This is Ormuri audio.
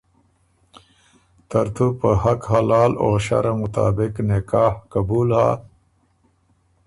ترتُو په حق حلال او شرع مطابق نکاح قبول هۀ؟